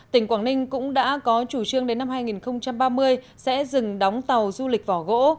tỉnh quảng ninh cũng đã có chủ trương đến năm hai nghìn ba mươi sẽ dừng đóng tàu du lịch vỏ gỗ